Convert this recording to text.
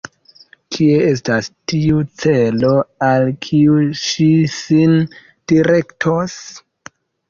Kie estas tiu celo, al kiu ŝi sin direktos?